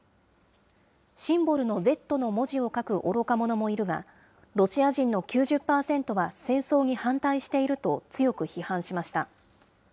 シンボルのＺの文字を書く愚か者もいるが、ロシア人の９０％は戦争に反対していると強く批判しました。